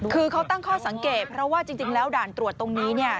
คือเขาตั้งข้อสังเกตเพราะว่าจริงแล้วด่านตรวจตรงนี้เนี่ย